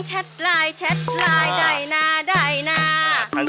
ไลน์แชทไลน์ได้หน้าได้นะ